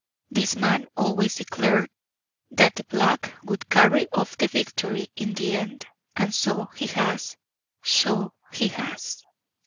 This man always declared that 'the Black' would carry off the victory in the end: and so he has, so he has.